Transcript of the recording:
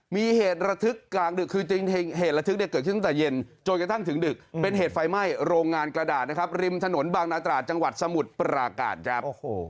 มีเหตุระทึกกลางดึกคือจริงเหตุระทึกเนี่ยเกิดขึ้นตั้งแต่เย็นจนกระทั่งถึงดึกเป็นเหตุไฟไหม้โรงงานกระดาษนะครับริมถนนบางนาตราจังหวัดสมุทรปราการครับ